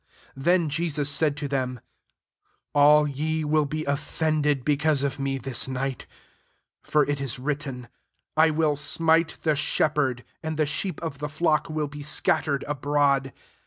51 Then Jesus said to them, ''All ye will be offended because of me this night: for it is written, * I will smite the Shepherd, and the sheep of the fiock will be scattered abroad.'